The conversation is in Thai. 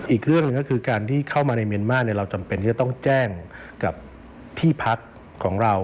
อีกเรื่องหนึ่งก็คือการที่เข้ามาในเมียนมาร์เราจำเป็นที่จะต้องแจ้งกับที่พักของเรา